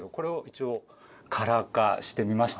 カラー化してみました。